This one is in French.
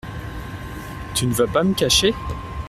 Tu ne vas pas me cacher ?